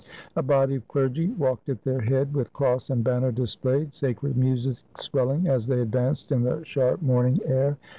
A body of clergy walked at their head, with cross and banner displayed, sacred music swelling as they advanced in the sharp morning air.